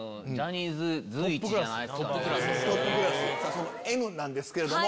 そのＮなんですけれども。